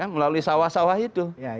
melalui sawah sawah itu